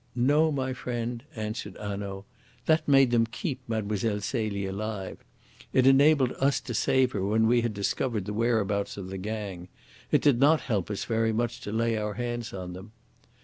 "No, my friend," answered Hanaud. "That made them keep Mlle. Celie alive. It enabled us to save her when we had discovered the whereabouts of the gang. It did not help us very much to lay our hands upon them.